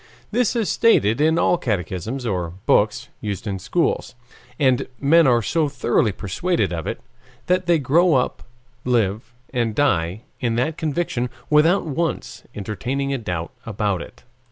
This is stated in all catechisms or books used in schools. And men are so thoroughly persuaded of it that they grow up, live and die in that conviction without once entertaining a doubt about it.